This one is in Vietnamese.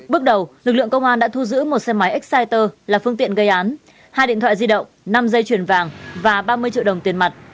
bước đầu lực lượng công an đã thu giữ một xe máy exciter là phương tiện gây án hai điện thoại di động năm dây chuyền vàng và ba mươi triệu đồng tiền mặt